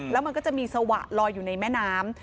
แล้วมันก็จะมีสวะลอยอยู่ในแม่น้ำ